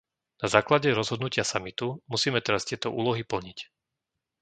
Na základe rozhodnutia samitu musíme teraz tieto úlohy plniť.